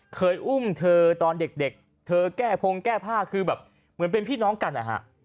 เคยอุ้มเธอตอนเด็กเธอแก้พงแก้ผ้าคือแบบเหมือนเป็นพี่น้องกันนะฮะ